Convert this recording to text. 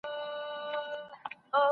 بېګا خوب وینمه تاج پر سر باچا یم